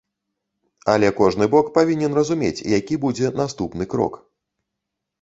Але кожны бок павінен разумець, які будзе наступны крок.